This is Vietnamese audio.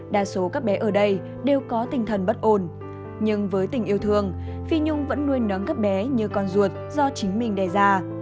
đa số các bé ở đây đều có tinh thần bất ổn nhưng với tình yêu thương phi nhung vẫn nuôi nắng các bé như con ruột do chính mình đề ra